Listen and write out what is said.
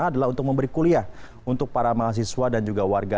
adalah untuk memberi kuliah untuk para mahasiswa dan juga warga